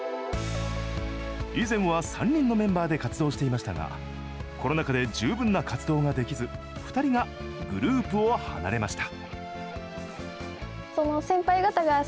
以前は３人のメンバーで活動していましたがコロナ禍で十分な活動ができず２人がグループを離れました。